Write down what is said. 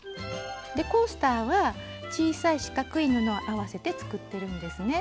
コースターは小さい四角い布を合わせて作ってるんですね。